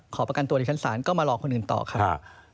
ขอประกันตัวในชั้นศาลก็มารอคนอื่นต่อครับ